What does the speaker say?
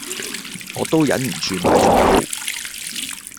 我都忍唔住買咗兜